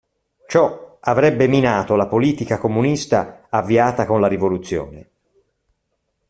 Ciò avrebbe minato la politica comunista avviata con la rivoluzione.